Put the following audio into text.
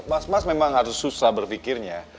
mas mas memang harus susah berpikirnya